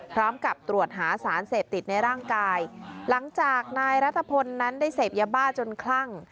พร้อมกับตรวจหาสารเสพติดในร่างกายหลังจากนายรัฐพลนั้นได้เสพยาบ้าจนคลั่ง